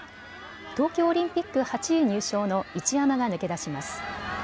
東京オリンピック８位入賞の一山が抜け出します。